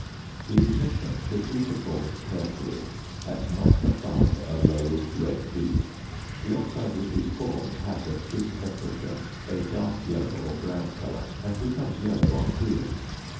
The ignition should be performed carefully at not above a low red heat. The oxide which is formed has, at this temperature, a dark yellow or brown colour, and becomes yellow on cooling.